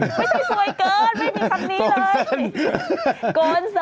ไม่ใช่สวยเกินไม่มีฟังฟังฟ้างกันเลย